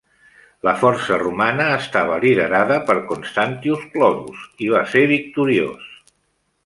La força romana estava liderada per Constantius Chlorus, i va ser victoriós.